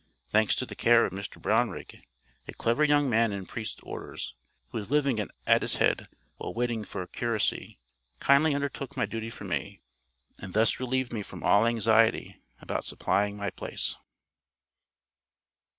Thanks to the care of Mr Brownrigg, a clever young man in priest's orders, who was living at Addicehead while waiting for a curacy, kindly undertook my duty for me, and thus relieved me from all anxiety about supplying my place.